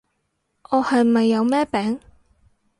我係咪有咩病？